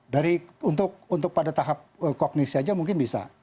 dari untuk pada tahap kognisi saja mungkin bisa